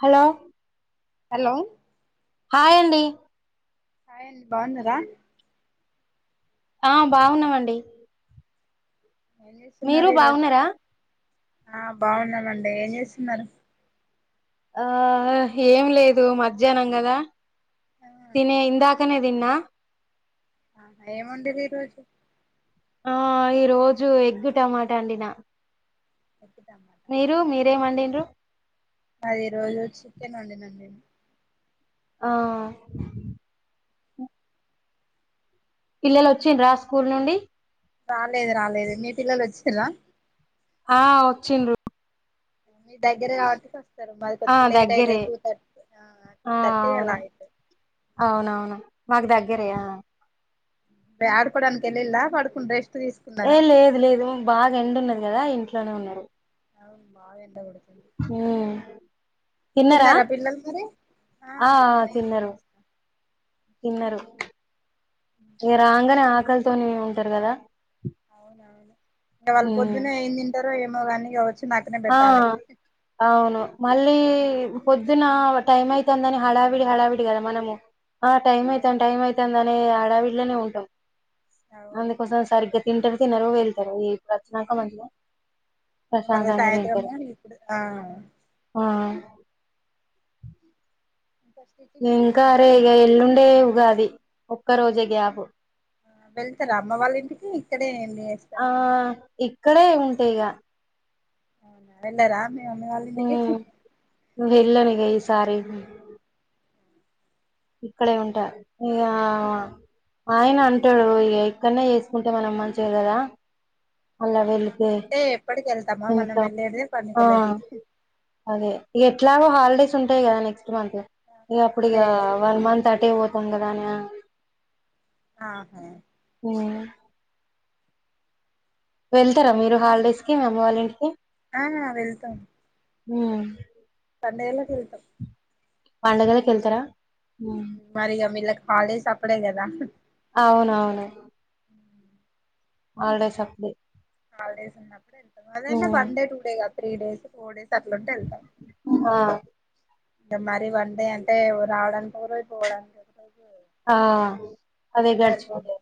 Hello hello hi అండి hi అండి బాగున్నారా ఆ బాగున్నామండి ఏం మీరు చేస్తున్నారు ఈరోజు బావున్నారా ఆ బాగున్నానండి ఏం చేస్తున్నారు ఆ ఏం లేదు మధ్యాహ్నం కధ తినే ఇందా కొన్ని తిన్నా ఆహా ఏం వండిరి ఈ రోజు ఆ ఈ రోజు ఎగ్గు టమాటా అండి నా ఎక్కుత మీరు మీరేం వండిండ్రు అది ఈ రోజు చికెన్ వండినన్ నేను ఆ పిల్లలు వచ్చిండ రా స్కూల్ నుండి రాలేదు రాలేదు మీ పిల్లలు వచ్చలా ఆ వచ్చిండు మీ దగ్గర కాబట్క వస్తారు మారి ఆ కొంచెం లేట్ అయితుంది దగ్గరే టూ థర్టీ టూ ఆ థర్టీ ఎలా అవును అయితు అవునవును మాకు దగ్గరే ఆ బ ఆడ్ పడనికి కెలిలా పడుకండ్రే ఇష్ట ఏ లేదు లేదు బాగా ఎండున్నది కదా ఇంట్లో అట్లానే ఉన్నారు అవు మా ఎంత ఉడుతు హ తిన్నారా పిల్లలు మరి ఆ తిన్నారు కిన్నారురు ఇ రాంగనే ఆకల్ తోనే ఉంటారు కదా ఇవళ ఉమ్ పొద్దునే ఏం తింట ఏమో గానీ ఆ అవును మళ్ళీ హడావిడి సరిపోదు. పొద్దున టైమ్ అయి దని హడావిడి హడావిడి కదా మనము ఆ టైమ్ అవును అయ్యితన్ టైమ్ అయితన్ అనే ఆడావిడ్లోనే ఉంటాం అవును అందుకోసం సరిగా ఇంటర్ కి [unintelligible] వెళ్తారు ఇప్పుడు వచ్చినాక [unintelligible] ప్రశాంతంగా సాయంత్రం తింటారు మళ్ళీ ఇప్పుడు ఆ ఆ ఇంకా స్టిచ్చింగ్ ఇంకా చేస్తున్నారా అరే ఇగ ఎల్లుండే ఉగాది ఒక్క రోజే గ్యాప్ ఆ వెళ్తారా అమ్మ వాళ్ళ ఇంటికి ఇక్కడే [unintelligible] ఆ ఇక్కడే ఉ తేగా అవునా వెళ్ళారా మీ మీ అమ్మ వాళ్ళ ఇంటికి వెళ్ళరిగ ఈ సారి [unintelligible] ఇక్కడే ఉంటా ఇక ఆయన అంటాడు ఇగా ఇక్కడనే చేసుకుంటే మనం మంచిది కదా అలా [unintelligible] అంటే ఎప్పటికి వెళ్తామా మనం ఇంట్లో వెళ్ళేదే ఆ పండగలకి అదే ఎట్లాగో హాలిడేస్ ఉంటాయి కదా [unintelligible] ఆ! ఇగ అప్పుడిగా అదే అంత అటే పోతాం కదా అనా? ఆహ [unintelligible] వెళ్తారా మీరు హాలిడేస్ కి మీ అమ్మ వాళ్ళ ఇంటికి ఆ వెళ్తాం హ్మ్ పండగలకి వెళ్తాం పండగలకి వెళ్తారా ఉమ్. మరిగా మీళ్లక్ హాలిడేస్ అప్పుడే గదా ఔనౌను హాలిడేస్ అప్పుడే హాలిడేస్ ఉన్నప్పుడెల్ అదైనా ఉమ్. వన్ డే టూ డే గాదు, త్రీ డేస్ ఫోర్ డేస్ అట్లుంటే వెళ్తాం. ఆ అంటే మరీ వన్ డే అంటే రావడానికి ఓరోజు పోవడానికి ఒక రోజు ఆ అదే గడిచిపోతది.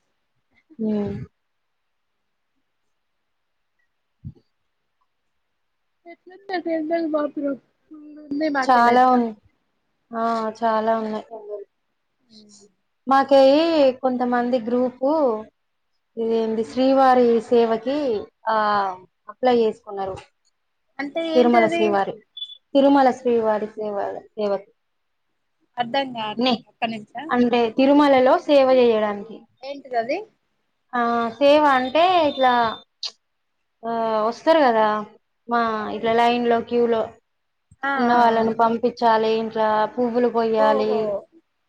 ఎట్లుందే ఫేర్వెల్ మాత్రం ఫుల్ ఉన్నాయి చాలా మాకెళ్ళైతే వుం ఆ చాలా ఉన్నాయ్ మాక్ దీ కొంతమంది గ్రూపు ఇదెంది శ్రీవారి సేవకి, అప్లై చేసుకున్నారు. అంటే తిరుమల ఏంటది? శ్రీవారి తిరుమల శ్రీవారి సేవ ఆడ సేవక్ అర్ధం కావట్లే ఒక నిమిషం హేలో సేవ చేయడానికి ఏంటిది అది ఆ సేవా అంటే ఇట్లా ఆ వస్తారు కదా మా ఇట్లా లైన్ లో క్యూ లో ఆ ఉన్న వాళ్ళని పంపించాలి రాబ్ [unintelligible] పువ్వులు కొయ్యాలి ఓహో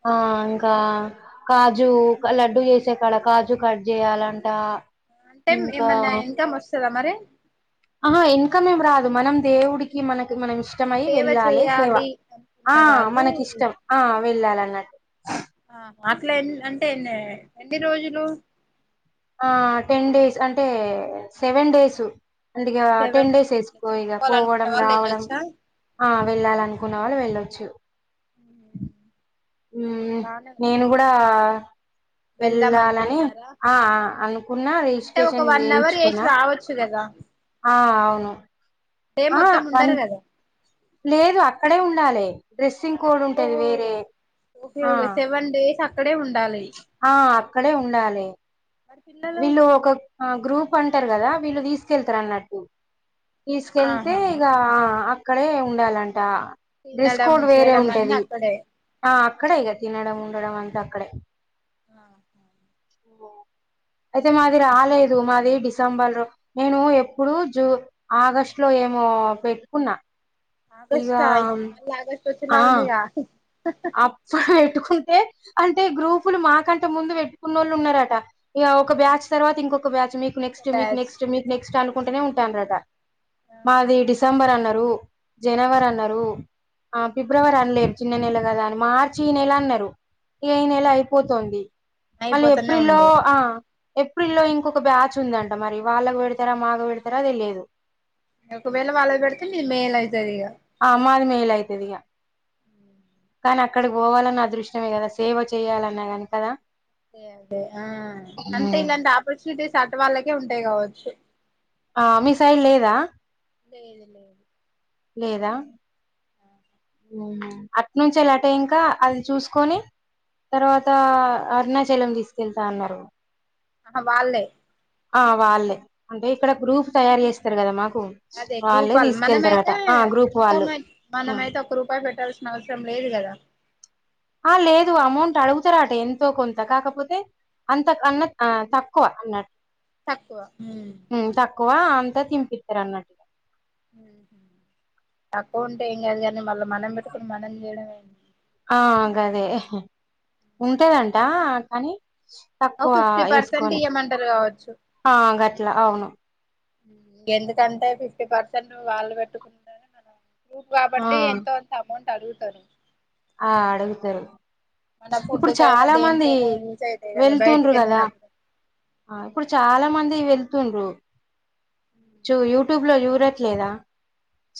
ఆ ఇంకా ఓకే ఓకే కాజు లడ్డు చేసా కాడ కాజు కట్ చేయాలంట అంటే ఏమన్నా ఇన్కమ్ వస్ త్తద మరి అహ ఇన్కమేం రాదు మనం దేవుడికి మనక్ మనం ఇష్టమై సేవ వెళ్ళాలి సేవ చేయాలి ఆ అనుకున్న వాళ్ళు మనకిష్టం ఆ వెల్లాల అన్నట్టు ఆ అట్లా ఎ అంటే ఎన్ని ఎన్ని రోజులు ఆ టెన్ డేస్ అంటే సెవెన్ డేస్ అందుకే సెవెన్ టెన్ డేస్ ఇట్లా వేసుకో ఇగ చేసుకోవాలనుకున్న పోవడం వాళ్ళు రావడం వెళ్ళొచ్చా ఆ వెళ్ళాల అనుకున్న వాళ్ళు వెళ్ళ చ్చు హ్మ్మ్ బానే నేను కూడా వెళ్దాం వెళ్ళాలని అనుకుంటున్నారా ఆ అనుకున్నా అంటే ఒక రిజిస్ట్రేషన్ వన్ అవర్ చేసి చేయించుకున్నా రావచ్చు కదా ఆ అవును డే ఆ మొత్తం వన్ ఉండరు కదా లేదు అక్కడే ఉండాలి డ్రెస్ సింగ్ కోడ్ ఉంటది ఓహో వేరే ఓకే ఆ ఓకే సెవెన్ డేస్ అక్కడే ఉండాలి ఆ అక్కడే ఉండాలి. మరి పిల్లలు వీళ్ళు ఒక ఆ గ్రూప్ అంటారు కదా వీళ్ళు తీసుకెళ్తారు అన్నట్టు తీసుకెళ్తే ఆహా ఇగ ఆ ఇక్కడే ఉండాలంటే అంట డ్రెస్ తినడం కోడ్ వేరే చేయడం అన్ని ఉంటది అక్కడే అక్కడే ఇక తినడం ఉండడం అంత అక్కడే ఆా హ్మ్మ్ అయితే మాది రాలేదు మాది డిసెంబర్ లో నేను ఎప్పుడు జూ ఆగస్ట్ లో ఏమో పెట్టుకున్నా ఇక ఆగస్ట్ ఆ ఇప్పుడు మళ్ళీ ఆగస్ట్ వచ్చేలా ఆ ఉంది గా అప్పుడు పెట్టుకుంటే అంటే గ్రూపులు మాకంటే ఇంత ముందు పెట్టుకున్న వాళ్ళు ఉన్నారట ఇగ ఒక బ్యాచ్ తర్వాత ఇంకొక బ్యాచ్ మీకు నెక్స్ట్ మీక్ బ్యాచ్ నెక్స్ట్ మీక్ నెక్స్ట్ అను కుంటనే ఉంటాన్రటా మాది ఆహా డిసెంబర్ అన్నరు. జనవర్ అన్నారు ఉమ్ ఆ ఫిబ్రవరి అన్లేదు చిన్న నెల కదా అని మార్చి ఈ నెల అన్నరు ఇగ ఈ నెల ఉమ్ అయిపోతోంది మళ్ళీ అయిపోతూనే ఏప్రిల్ల్లో ఉండే ఆ ఏప్రిల్ లో ఇంకొక బ్యాచ్ ఉందంట మరి వాళ్ళకు పెడతారా మాకు పెడతారా తెలియదు. ఒకవేళ వాలది పెడితే మీరు మే లో అయ్యి ఆ మాది మేలయితదిగా కానీ అక్కడకి పోవాన్న అదృష్ట్యమే కదా సేవ చెయ్యాలన్నా గాని కదా అదే అదే ఆ అంటే ఇలాంటి ఆపర్చునిటీస్ అటు వాళ్ళకే ఉంటాయి కావ చె ఆ మీ సైన్ లేదా లేదు లేదు లేదా ఆ అట్నుంచెల్ అటే ఇంకా అది చూస్కొని తర్వాత అరుణాచలం తీసుకెళ్తా అన్నరు. ఆహా వాల్లే ఆ వాళ్ళే అంటే ఇక్కడ గ్రూఫ్ తయార్ చేస్తారు కదా మా అదే గ్రూప్ వాళ్ళు మనమైతే ఆ గ్రూప్ ఇంకా వాళ్ళు మ మనమైతే ఒక్క రూపాయి పెట్టల్సి అవసరం లేదు కదా ఆ లేదు అమౌంట్ అడుగుతారట ఎంతో కొంత కాకపోతే అంత కన్న తక్కువ అన్నట్ తక్కువ క్కువ అంతా తింపిత్తరన్నట్టు తక్కువ ఉంటే ఏం కాదు గని మళ్ళ మనం పెట్టుకొని మనం చేయడమే ఆ గదే ఉంటదంట కని ఓ తక్కువ ఫిఫ్టీ పర్సెంట్ ఎస్కొని ఇయ్యమంటారు కావచ్చు ఆ గట్ ఇలా అవును ఎందుకంటే ఫిఫ్టీ పర్సెంట్ వాళ్ళు పెట్టుకున [inaudible] గ్రూప్ ఆ కాబట్టి ఎంతో అంత అమౌంట్ తరుతరు ఆ అడుగుతరు. మన ఫుడ్ ఇప్పుడు కైనా చాలా మంది దేనికైనా యూజ్ అవుతాయి కదా వెళ్తుంన్రూ బయటికి కదా వెళ్ళినప్పుడు ఇప్పుడు ఆ చాలా మంది వెళ్ ప్తున్రు చూ నేను యూట్యూబ్లో చూడట్లేదా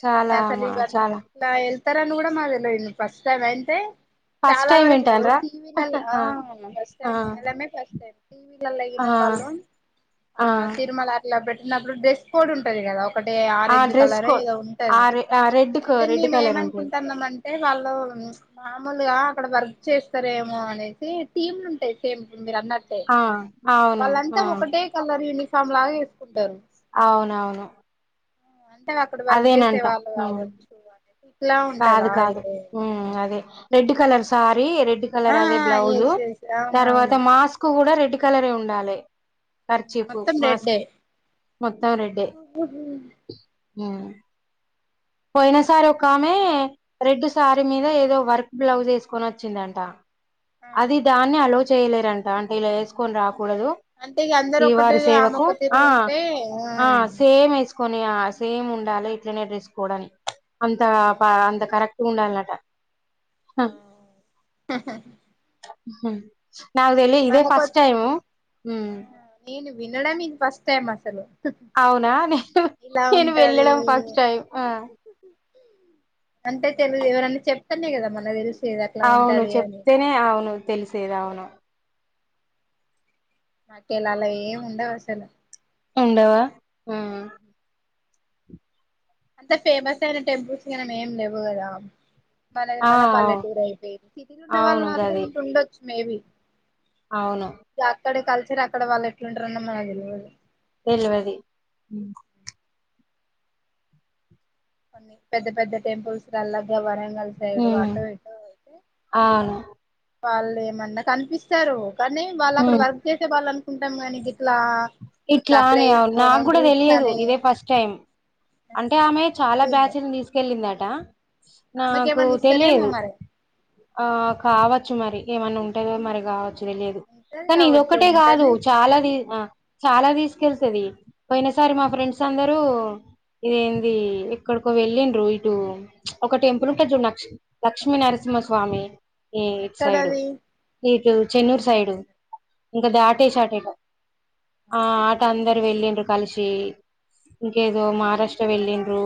చాలా మా చాలా ఇ తరని కూడా మా తెలియింది ఫస్ట్ టైమ్ [unintelligible] ఫస్ట్ చాలా టైం వరకు ఇప్పుడు వింటాన్రా ఆ టీవీలలో ఫస్ట్ టై ఆ వినడమే ఫస్ట్ టై ఆ టీవీలలో వాళ్ళు ఆ తిరుమల అట్లా పెట్ న్నప్పుడు డ్రెస్ కోడ్ ఉంటది కదా ఒకటే ఆ ఆరెంజ్ డ్రెస్ కలర్ కోడ్ [unintelligible] ఆ రె ఆ రెడ్ కు అయితే రెడ్ మేము కలర్ ఉంటది ఏమనుకుంటున్నాం అంటే వాళ్ళు మామూలుగా అక్కడ ఇక్కడ వర్క్ చేస్తారేమో అనేసి టీమ్లు ఉంటాయి సేమ్ మీరు అన్నట్టే ఆ అవును వాళ్ళంతా ఆ ఒకటే కలర్ యూనిఫార్ [unintelligible] లాగా ఏసుకుంటరు. అవునవును అంటే అక్కడ వర్క్ చేస్ సే అదేనంట ఉమ్ మవచ్చచ్చు అ కాదు కాదు అదే red colour sorry red red ఆ కలర్ అదే బ్లౌజ ఎస్ ఎస్ తర్వా అవునవును మాస్ కూడా రె రెడ్ కలరే ఉండాలి ఖర్చీపు మొత్తం మాస్క్ రెడ్డే మొత్తం రెడ్డే అ పోయిన సారి ఒక ఆమె రెడ్ సారీ మీద ఏదో వర్క్ బ్లౌజ్ వేసుకొని వచ్చిందంట ఆ అది దాన్ని ఆలోచ చేయలేర అంట అంటే ఇలా వేకొని రా కూడదు అంటే ఇగ అందరు ఒకటి శ్రీవారి ఆమె సేవకు ఒక తిరుగుంటే ఆ సేమ వే కొని సేమ్ ఉండాలి ఇట్లనే డెస్ కుడం అంత ఉమ్ బా అంత కరెక్ట్ డాలట ఆ హ నాదలి ఇదే మనకొ ఫస్ట్ టైము ఆ చలో అవునా నేను నేను ఉంటది వెళ్ళడం ఫస్ట్ టైమ్ ఆ అంటే తెలుదు ఎవరన్నా చెప్తనే కదా మన తెలుసు అవును చెప్తేనే అవును తెలిసేది అవును మాకేల అలా ఏం ఉండవు అసలు ఉండవా అంత ఫేమస్ అయిన టెంపుల్స్ మనం ఏం లేగు కదా మనది ఆ మన అవు పల్లెటూరు అయితే సిటీలో ఉన్న వాళ్ళు అవును మాత్రం గది ఇంకా ఉండొచ్చు మేబి అవును ఇక్కడ కలిసిరు అక్కడ వాళ్ళు ఎట్లు ఉంటారొ నాకు తెలియదు తెలవది కొన్ని పెద్ద పెద్ద టెంపుల్స్ అల్లాగ [inaudible] ఆ వాళ్ళు ఏమన్నా కనిపిస్తారు కానీ వాళ్ళు అక్కడ ఉమ్ వర్క్ చేసే దాళ్ళన్ ఉంటాం కాని ఇట్లా అనే నాకు కూడా గ్రూప్స్ తెలియదు అని ఇదే ఫస్ట్ టైం ఆ అంటే ఆమె చాలా ఎప్పుడు ఇల్లే బ్యాచ్లు తీసుకెళ్ లిమ్మట ఆమెకి నాకు ఏమన్నా ఇస్తారేమో తెలియదు మరి ఆ కావచ్చు మరి ఏమన్నా ఉంటాదో మరి కావచ్చు తెలియదు ఉంటది కానీ ఇది కావచ్చు ఒక్కటే కాదు ఉంటేనే చాలా ది చాలా దీస్ తెలిసెది పోయిన సారి మా ఫ్రెండ్స్ అందరూ క ఏంది ఇక్కడికో వెళ్ళిండ్రు ఇటు ఒక టెంపుల్ ఉంటది చూడు లక్ష్ లక్ష్మీ నరసింహ స్వామి ఈ ఇటు సైడు ఎక్కడది ఇటు చెన్నూరు సైడు ఇంకా ఆ దాటేసి అటూ ఎమో ఆ అవునా అటూ అందరు వెళ్ళిర్రు కలిసి ఇంకేదో మా ఇష్ట వెళ్ళిన్రూ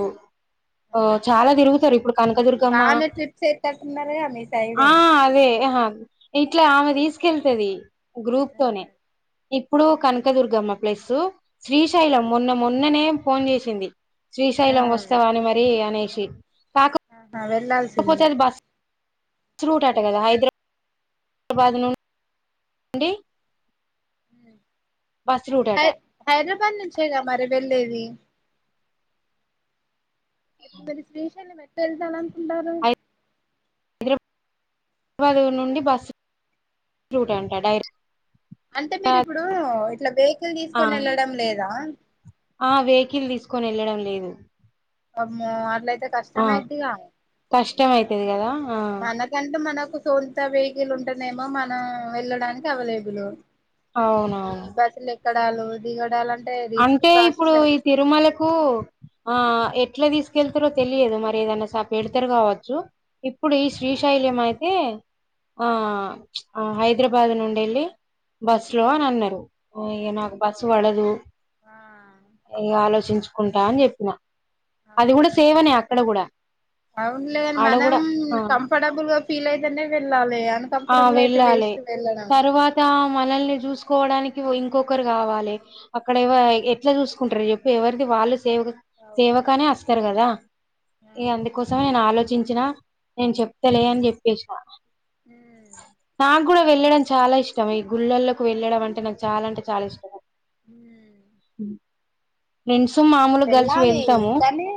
ఓ ఆహా చాలా తిరుగుతారు ఇప్పుడు కనకదుర్గమ్మా బానే ట్రిప్స్ ఎత్తట్టున్నారుగా మీ సైడ్ ఆ అదే [inaudible] ఇట్లా ఆమె తీసుకెళ్తాది గ్రూప్ తోనే ఇప్పుడు ఉమ్ కనకదుర్గమ్మ ప్లస్ ఆ శ్రీశైలం మొన్న మొన్ననే ఫోన్ చేసింది శ్రీశైలం వస్తావా అని మరి అనే షి ఆ [inaudible] ఐపొతాది బస్ అసలూటట క [unintelligible] దా హైదరాబ హైదబాద్ ను అండి హ హై హైదరాబాద్ నుంచేగా మరి వెళ్ళేది. ఎ. ఎప్పటికి పేషణళ్ళమే. వెళ్తాననుకుంటారు. హైదరాబాద్ నుండి బస్సు రూట్ అంట డైరె. అంటే మీరి ఇప్పుడు ఇట్లా వెకిల్ ఆ తీసుకొని వెళ్ళడం లేదా. ఆ వెకిల్ తీసుకొని వెళ్ళడం లేదు. ఆమ్మో ఆన్లైన్. ఆ కష్టం అయితది కదా ఆ. మనకంటూ మనకు సొంత వెకిల్ ఉంటానేేమో మన వెళ్ళడానికి అవలేబులు. అవునవును. ఎక్కడాలు దిగడాల. అంటే ఇప్పుడు ఈ తిరుమలకు ఆ ఎ. ఎట్లా తీసుకెళ్తారో తెలియదు మరి ఏదైనా స ఎడతరు కావచ్చు, ఇప్పుడు ఈ శ్రీశైలం అయితే, ఆ హైదరాబాద్ నుండేళ్ళి బస్ లో అని అన్నారు. ఇగ నాకు బస్సు వడదు. ఆ ఎయ్యాలి. ఆలోచించుకుంటా అని చెప్పిన. అది కూడా సేవనే అక్కడ కూడా అవునులే గని ఆడ మనం కూడా ఆ కంఫర్టబుల్గా ఫీల్ అయితేనే వెళ్ళాలి, ఆ ఆన్కంఫర్టబుల్ అయితే వెళ్ళాలి వేస్త వెళ్ళడం. ఓ ఇంకొకరు కావాలే. అక్కడ ఏవ అవును ఎట్లా చూసు. కొంటారు చెప్పు ఎవరిది వాల్లె చుసు. సేవ అవునా సేవకానే అస్తారు కదా, ఇగ అందుకోసమే నేను ఆలోచించి. చేపిన నేను చెప్తలే అని చెప్పేసిన. తాల్. నాకు కూడా వెళ్ళడం చాలా ఇష్టం, ఈ గుళ్ల్లోకి వెళ్ళడం అంటే నాకు చాలా అంటే చాలా ఇష్టం. హ మేన్స్. వెళ్ళాలి కానీ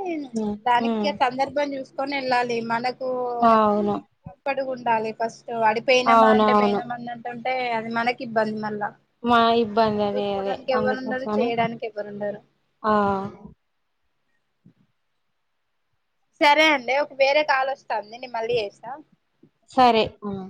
ఉమ్ దానికి సందర్భాం చూసుకో. వెళ్ళాలి మనకు. అవును ఓ పడుగు ఉండాలలే. పాస్ తోఅడియినమ్మా అంటే అవునవును పయినమ్మా అని అంటాండ్ టే అది మనకి ఇబ్బంద్ మల్ల మా ఇబ్బంది అదే అదే ఉండరు అందుకోసమనే. చేయడానికి ఎవరు ఉండరు ఆహ్ సరే అండి ఒక వేరే కాలోస్తాంది. నేన్ మళ్ళీ చేస్తా సరే ఆహ్